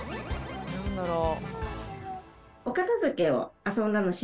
何だろう。